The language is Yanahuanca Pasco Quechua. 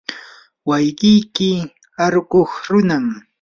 wawqiyki arukuq runam.